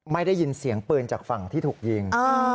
ไม่ได้ยินเสียงปืนจากฝั่งที่ถูกยิง